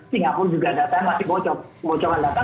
singapura juga datanya masih bocor